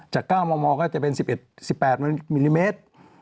จากก้าวมองก็จะเป็น๑๘มิลลิเมตร